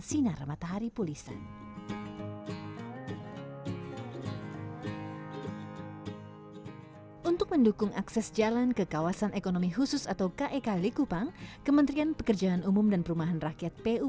sampai jumpa di video selanjutnya